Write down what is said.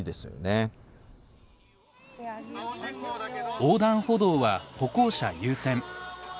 横断歩道は歩行者優先。